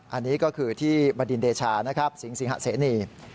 อันนี้ก็คือที่บดินเดชานะครับสิงสิงหะเสนี